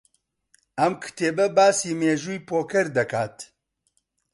ئەم کتێبە باسی مێژووی پۆکەر دەکات.